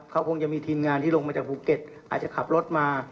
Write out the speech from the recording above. เขาคงจะมีทีมงานที่ลงมาจากภูเก็ตอาจจะขับรถมา